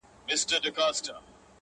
اكثره وخت بيا پر دا بل مخ واوړي _